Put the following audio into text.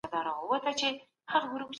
تاسو په خپل کمپیوټر کي کوم سیسټم کاروئ؟